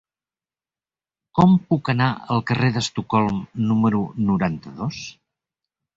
Com puc anar al carrer d'Estocolm número noranta-dos?